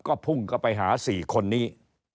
ก็พุ่งก็ไปหา๔คนนี้